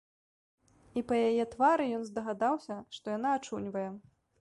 І па яе твары ён здагадаўся, што яна ачуньвае.